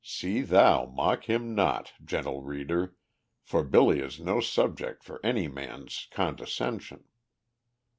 "See thou mock him not," gentle reader, for Billy is no subject for any man's condescension.